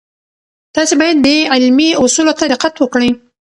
تاسې باید د علمي اصولو ته دقت وکړئ.